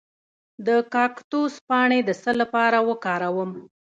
د کاکتوس پاڼې د څه لپاره وکاروم؟